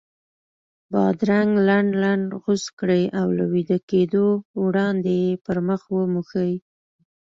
بادرنګ لنډ لنډ غوڅ کړئ او له ویده کېدو وړاندې یې پر مخ وموښئ.